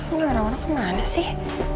enggak orang orang sih